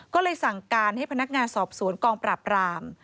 ก็เลยสั่งการให้พนักงานสอบสวนกองปราบราม